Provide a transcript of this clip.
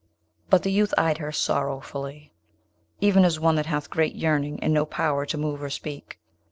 But the youth eyed her sorrowfully, even as one that hath great yearning, and no power to move or speak.